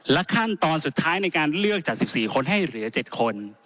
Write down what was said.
ขั้นตอนสุดท้ายในการเลือกจาก๑๔คนให้เหลือ๗คน